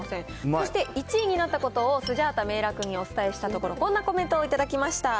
そして１位になったことをスジャータめいらくにお伝えしたところ、こんなコメントを頂きました。